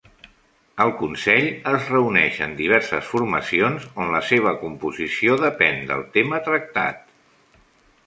El Consell es reuneix en diverses formacions on la seva composició depèn del tema tractat.